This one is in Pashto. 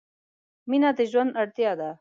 مینه د ژوند اړتیا ده.